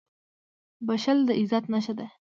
• بښل د عزت نښه ده.